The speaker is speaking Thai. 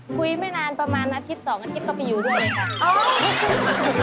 ไม่นานประมาณอาทิตย์๒อาทิตย์ก็ไปอยู่ด้วยค่ะ